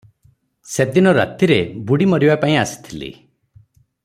ସେଦିନ ରାତିରେ ବୁଡ଼ି ମରିବା ପାଇଁ ଆସିଥିଲି ।